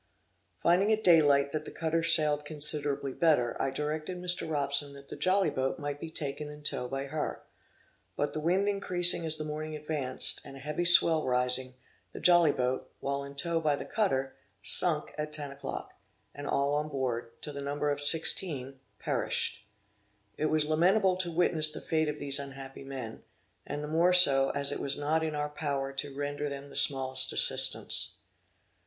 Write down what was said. Finding at day light that the cutter sailed considerably better, I directed Mr. Robson that the jolly boat might be taken in tow by her. But the wind increasing as the morning advanced, and a heavy swell rising, the jolly boat, while in tow by the cutter, sunk at ten o'clock, and all on board, to the number of 16, perished. It was lamentable to witness the fate of these unhappy men, and the more so, as it was not in our power to render them the smallest assistance.